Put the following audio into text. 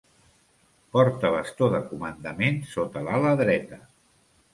Porta bastó de comandament sota l'ala dreta.